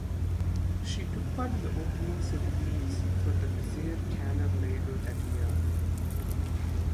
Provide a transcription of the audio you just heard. She took part in the opening ceremonies for the Bizerte Canal later that year.